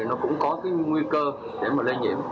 nó cũng có nguy cơ để lây nhiễm